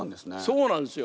そうなんですよ。